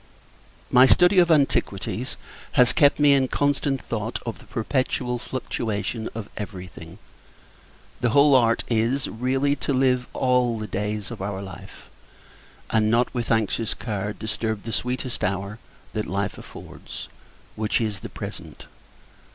My study of antiquities, has kept me in constant thought of the perpetual fluctuation of every thing. The whole art is, really, to live all the days of our life; and not, with anxious care, disturb the sweetest hour that life affords which is, the present!